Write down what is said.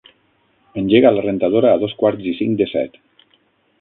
Engega la rentadora a dos quarts i cinc de set.